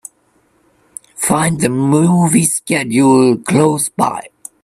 Find the movie schedule close by